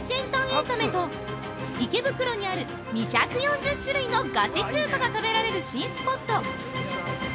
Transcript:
エンタメと池袋にある２４０種類のガチ中華が食べられる新スポット。